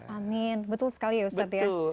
amin betul sekali ya ustadz ya